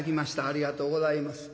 ありがとうございます。